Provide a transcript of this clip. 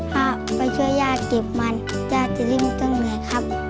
ถ้าไปช่วยย่าเก็บมันย่าจะริ่มจังเลยครับ